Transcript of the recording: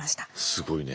すごいね。